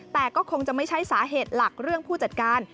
แต่ก็คงจะไม่ใช่สาเหตุหลักเรื่องผู้จัดการ